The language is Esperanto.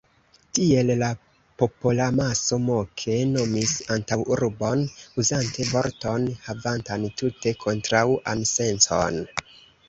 Tiel la popolamaso moke nomis antaŭurbon, uzante vorton, havantan tute kontraŭan sencon.